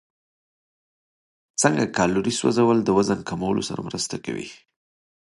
څنګه کالوري سوځول د وزن کمولو سره مرسته کوي؟